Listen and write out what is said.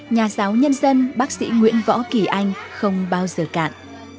nhà giáo nhân dân bác sĩ nguyễn võ kỳ anh không bao giờ cạn